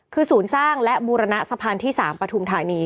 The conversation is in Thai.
คือศูนย์สร้างและบูรณะสะพานที่๓ปฐุมธานี